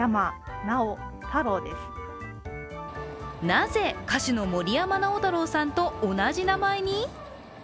なぜ歌手の森山直太朗さんと同じ名前に？